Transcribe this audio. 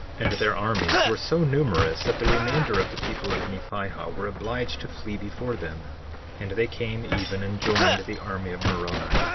59:8 And their armies were so numerous that the remainder of the people of Nephihah were obliged to flee before them; and they came even and joined the army of Moroni.